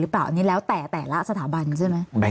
หรือเปล่าอันนี้แล้วแต่ละสถาบันใช่มั้ย